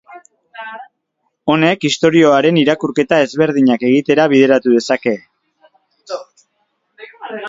Honek, istorioaren irakurketa ezberdinak egitera bideratu dezake.